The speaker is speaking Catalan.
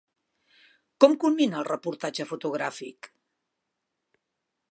Com culmina el reportatge fotogràfic?